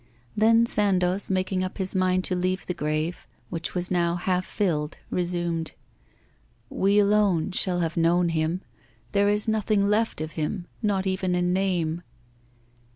Then Sandoz, making up his mind to leave the grave, which was now half filled, resumed: 'We alone shall have known him. There is nothing left of him, not even a name!